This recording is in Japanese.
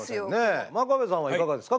真壁さんはいかがですか？